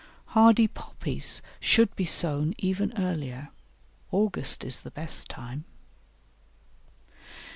Hardy Poppies should be sown even earlier; August is the best time.